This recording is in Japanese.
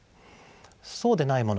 そうでないもの